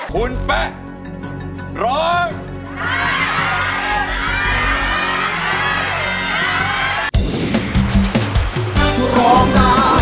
คุณแป๊ะร้อง